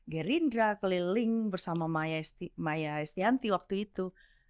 gerindra keliling bersama maya estianti waktu itu